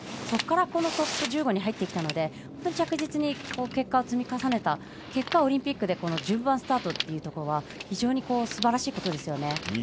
そこからトップ１５に入ってきたので着実に結果を積み上げた結果オリンピックで１０番スタートというのは非常にすばらしいことですよね。